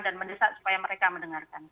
dan mendesak supaya mereka mendengarkan